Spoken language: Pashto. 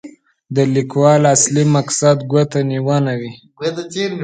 د لیکوال اصلي مقصد ګوتنیونه وي.